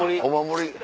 お守り。